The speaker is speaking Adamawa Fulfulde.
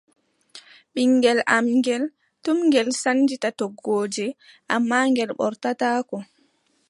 Ɓiŋngel am ngeel, tum ngel sannjita toggooje, ammaa ngel ɓortataako.